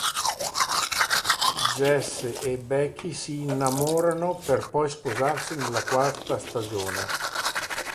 Jesse e Becky si innamorano per poi sposarsi nella quarta stagione.